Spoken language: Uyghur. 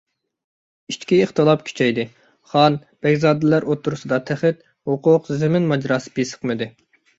ئىچكى ئىختىلاپ كۈچەيدى، خان، بەگزادىلەر ئوتتۇرىسىدا تەخت، ھوقۇق، زېمىن ماجىراسى بېسىقمىدى.